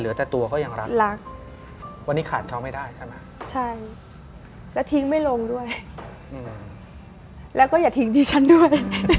แต่ตัวเขายังรักรักวันนี้ขาดเขาไม่ได้ใช่ไหมใช่แล้วทิ้งไม่ลงด้วยแล้วก็อย่าทิ้งดิฉันด้วย